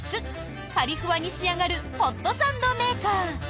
カリフワに仕上がるホットサンドメーカー。